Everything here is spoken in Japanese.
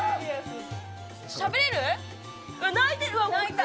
しゃべれる？